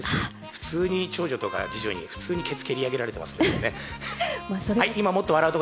普通に長女とか次女に、普通にケツ蹴り上げられてますけどね。